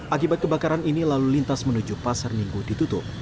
akibat kebakaran ini lalu lintas menuju pasar minggu ditutup